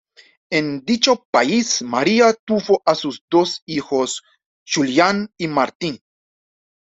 En dicho país María tuvo a sus dos hijos Julián y Martín.